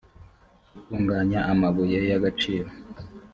gutunganya amabuye y agaciro